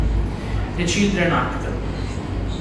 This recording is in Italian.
The Children Act